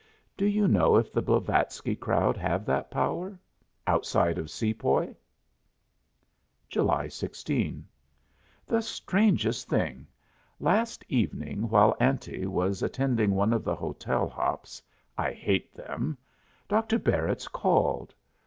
Do you know if the Blavatsky crowd have that power outside of Sepoy? JULY 16. The strangest thing! Last evening while Auntie was attending one of the hotel hops (I hate them) Dr. Barritz called.